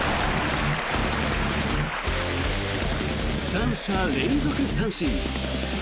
３者連続三振。